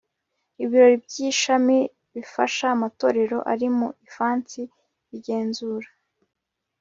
ibiro by ishami bifasha amatorero ari mu ifasi bigenzura